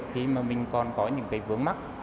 khi mà mình còn có những vướng mắt